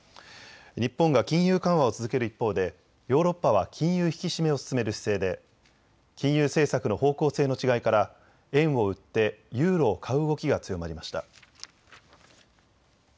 日本が金融緩和を続ける一方でヨーロッパは金融引き締めを進める姿勢で金融政策の方向性の違いから円を売ってユーロを買う動きが強まりました。